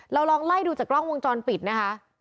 ลองไล่ดูจากกล้องวงจรปิดนะคะ